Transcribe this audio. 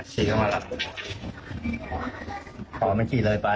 ใช่มันต้องการมาหาเรื่องมันจะมาแทงนะ